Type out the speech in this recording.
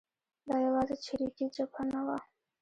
دا یوازې چریکي جبهه نه وه.